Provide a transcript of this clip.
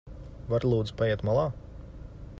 Vari lūdzu paiet malā?